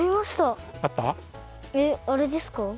えっあれですか？